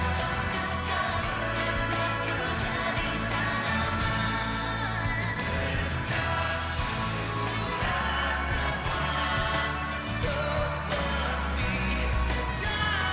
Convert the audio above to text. dan kepala cu empat a angkatan bersenjata singapura